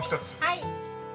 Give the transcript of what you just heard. はい。